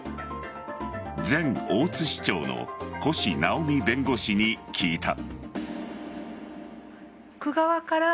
前大津市長の越直美弁護士に聞いた。